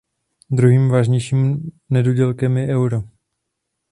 Druhým vážným nedodělkem je euro.